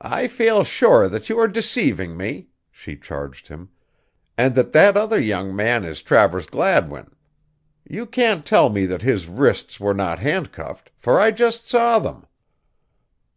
"I feel sure that you are deceiving me," she charged him, "and that that other young man is Travers Gladwin. You can't tell me that his wrists were not handcuffed, for I just saw them."